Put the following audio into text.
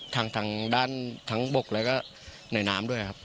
ทางขวาบกแล้วก็ไหนน้ำด้วย